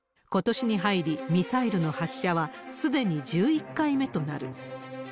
ことしに入り、ミサイルの発射はすでに１１回目となる。